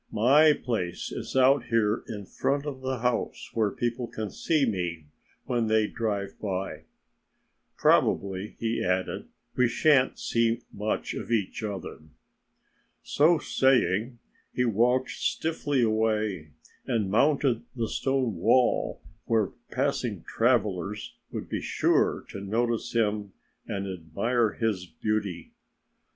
"My place is out here in front of the house where people can see me when they drive by.... Probably," he added, "we shan't see much of each other." So saying, he walked stiffly away and mounted the stone wall, where passing travellers would be sure to notice him and admire his beauty.